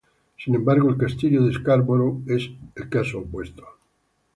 Sin embargo, el castillo de Scarborough es el caso opuesto.